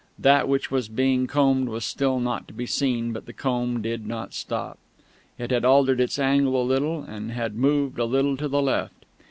That which was being combed was still not to be seen, but the comb did not stop. It had altered its angle a little, and had moved a little to the left.